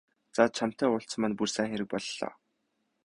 За чамтай уулзсан маань бүр сайн хэрэг боллоо.